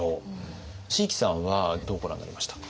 椎木さんはどうご覧になりましたか？